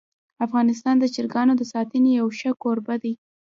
افغانستان د چرګانو د ساتنې یو ښه کوربه دی.